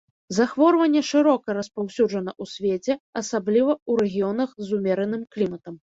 Захворванне шырока распаўсюджана ў свеце, асабліва ў рэгіёнах з умераным кліматам.